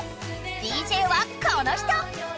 ＤＪはこの人！